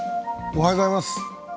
おはようございます。